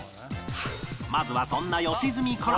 まずはそんな良純から